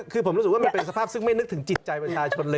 คือผมรู้สึกว่ามันเป็นสภาพซึ่งไม่นึกถึงจิตใจประชาชนเลย